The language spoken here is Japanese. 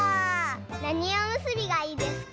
なにおむすびがいいですか？